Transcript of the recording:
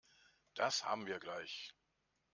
Das haben wir gleich.